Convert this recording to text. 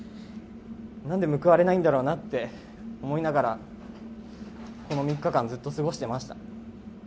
なんで報われないんだろうなって思いながら、この３日間、ずっと過ごしてました。